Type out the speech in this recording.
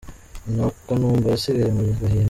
Nyina wa Kanumba yasigaye mu gahinda.